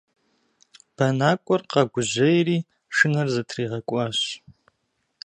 Бэнакӏуэр къэгужьейри шынэр зытригъэкӏуащ.